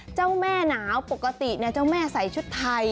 เจ้าแม่หนาวปกติเจ้าแม่ใส่ชุดไทย